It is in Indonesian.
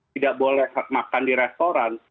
tidak boleh makan di restoran